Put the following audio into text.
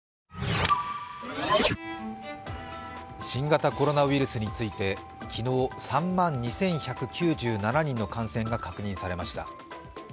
新型コロナウイルスについて昨日、３万２１９７人の感染が確認されました